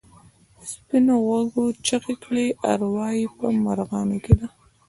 سپین غوږو چیغې کړې اروا یې په مرغانو کې ده.